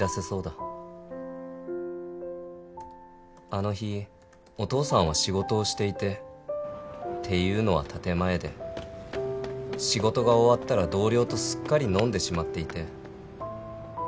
「あの日お父さんは仕事をしていてっていうのは建前で仕事が終わったら同僚とすっかり飲んでしまっていて」